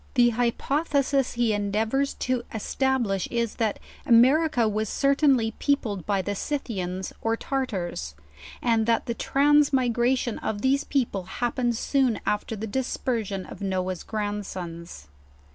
The hypothesis he endeavors to establish, is, that America was certainly peopled by the Scythians or Tar tars, and that the transmigration of these people happened soon after the dispersion of Noah's grandsons.